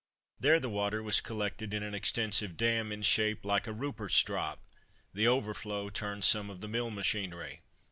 There the water was collected in an extensive dam, in shape like a "Ruperts' Drop," the overflow turned some of the mill machinery.